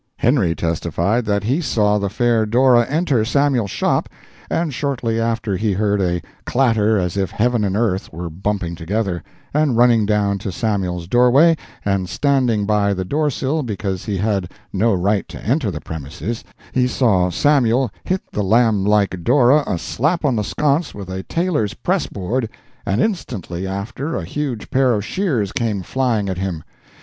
Henry testified that he saw the fair Dora enter Samuel's shop, and shortly after he heard a clatter as if heaven and earth were bumping together, and running down to Samuel's doorway, and standing by the door sill because he had no right to enter the premises, he saw Samuel hit the lamb like Dora a slap on the sconce with a tailor's press board, and instantly after a huge pair of shears came flying at him.